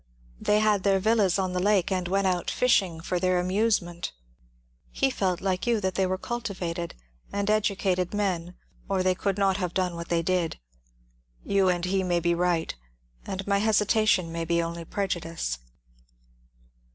They had their villas on the lake, and went out fishing for their amusement." He felt, like you, that they were cultivated and educated men, or they could not have done what they did. You and he may be right, and my hesitation may be only prejudice."